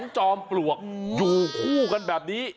จอมปลวกอยู่คู่กันแบบนี้